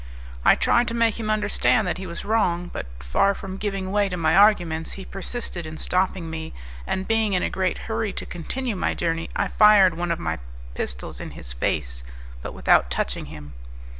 I tried to make him understand that he was wrong; but, far from giving way to my arguments, he persisted in stopping me, and being in a great hurry to continue my journey I fired one of my pistols in his face, but without touching him.